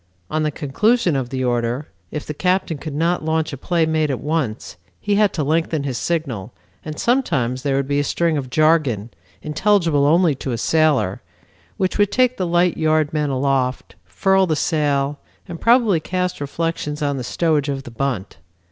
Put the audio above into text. On the conclusion of the order, if the captain could not launch a play made at once, he had to lengthen his signal, and sometimes there would be a string of jargon, intelligible only to a sailor, which would take the light yard men aloft, furl the sail, and probably cast reflections on the stowage of the bunt.